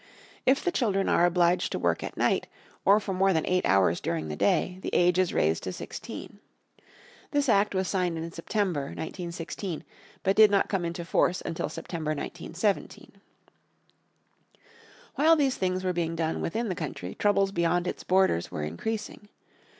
If the children are obliged to work at night, or for more than eight hours during the day, the age is raised to sixteen. This Act was signed in September, 1916, but did not come into force until September, 1917. While these things were being done within the country troubles beyond its boarders were increasing.